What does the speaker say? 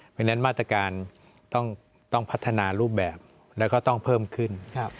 เพราะฉะนั้นมาตรการต้องพัฒนารูปแบบแล้วก็ต้องเพิ่มขึ้น